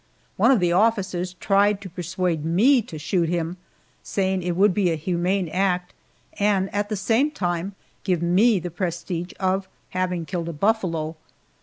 One of the officers tried to persuade me to shoot him, saying it would be a humane act, and at the same time give me the prestige of having killed a buffalo!